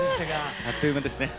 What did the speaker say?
あっという間でしたが。